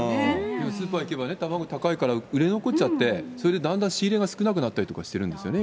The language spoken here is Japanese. スーパー行けば、卵高いから、売れ残っちゃって、それでだんだん仕入れが少なくなったりとかしてるんですよね、